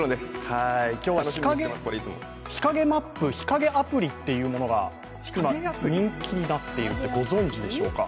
今日は日陰マップ、日陰アプリというものが今、人気になっているってご存じでしょうか？